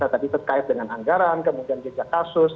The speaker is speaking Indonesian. tadi terkait dengan anggaran kemudian jejak kasus